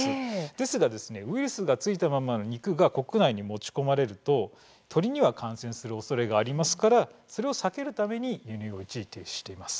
ですがウイルスがついたままの肉が国内に持ち込まれると鳥には感染するおそれがありますからそれを避けるために輸入を一時停止しています。